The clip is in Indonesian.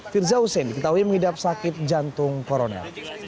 firza husein kita tahu yang mengidap sakit jantung korona